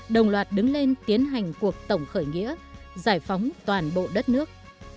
đồng loạt đứng lên tiến hành cuộc tổng khởi nghĩa giải phóng toàn bộ đất nước